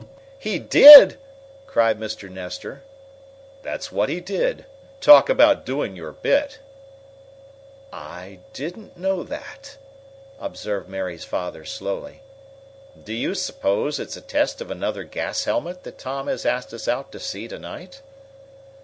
"He did?" cried Mr. Nestor. "That's what he did. Talk about doing your bit " "I didn't know that," observed Mary's father slowly. "Do you suppose it's a test of another gas helmet that Tom has asked us out to see to night?"